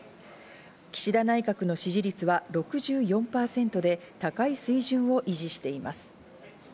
岸田内閣の支持率は６４％で高い水準を維持しています。